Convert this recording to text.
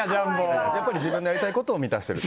やっぱり自分のやりたいことを満たしてる？